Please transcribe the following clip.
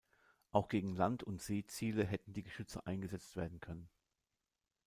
Auch gegen Land- und Seeziele hätten die Geschütze eingesetzt werden können.